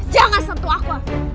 jangan sentuh aku afif